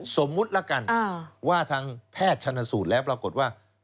สมมุติแล้วกันว่าทางแพทย์ชนสูตรแล้วปรากฏว่า